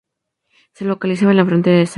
Se localiza en la frontera con Zambia.